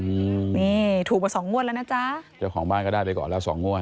อืมนี่ถูกมาสองงวดแล้วนะจ๊ะเจ้าของบ้านก็ได้ไปก่อนแล้วสองงวด